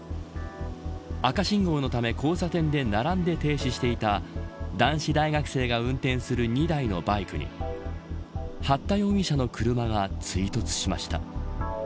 赤信号のため交差点で並んで停止していた男子大学生が運転する２台のバイクに八田容疑者の車が追突しました。